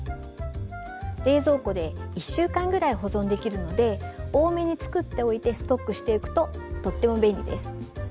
冷蔵庫で１週間ぐらい保存できるので多めにつくっておいてストックしていくととっても便利です。